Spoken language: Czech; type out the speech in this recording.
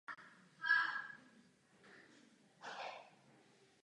Je tu nedostatek pitné vody, potravin a dalších základních materiálů.